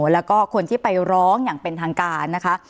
แล้วก็คนที่ไปร้องอย่างเป็นทางการนะคะ